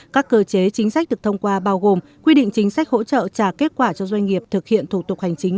các cơ chế chính sách được thông qua bao gồm quy định chính sách hỗ trợ trả kết quả cho doanh nghiệp thực hiện thủ tục hành chính